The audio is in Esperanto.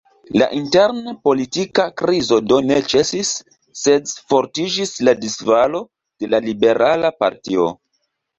La intern-politika krizo do ne ĉesis, sed fortiĝis la disfalo de la Liberala partio.